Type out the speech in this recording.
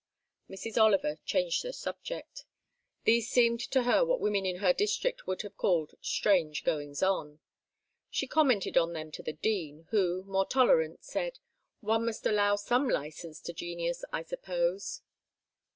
Mrs. Oliver changed the subject. These seemed to her what women in her district would have called strange goings on. She commented on them to the Dean, who, more tolerant, said, "One must allow some licence to genius, I suppose."